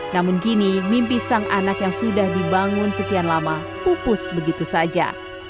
namun kini mimpi sang anak yang sudah dibangun sekian lama pupus begitu saja